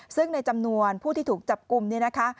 ซึ่งในจำนวนผู้ที่ถูกจับกลุ่มเนี่ยนะคะ